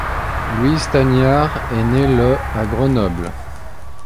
Louise Tagnard est née le à Grenoble.